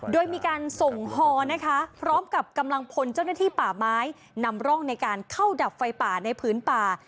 โดยมีการส่งฮอนะคะพร้อมกับกำลังพลเจ้าหน้าที่ป่าไม้นำร่องในการเข้าดับไฟป่าในพื้นป่า